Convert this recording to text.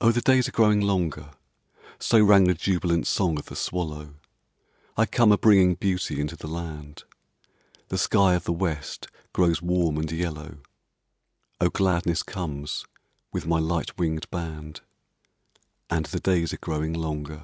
Oh, the days are growing longer; So rang the jubilant song of the swallow; I come a bringing beauty into the land, The sky of the West grows warm and yellow, Oh, gladness comes with my light winged band, And the days are growing longer.